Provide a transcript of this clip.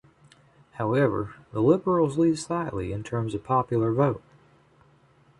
However, the Liberals lead slightly in terms of popular vote.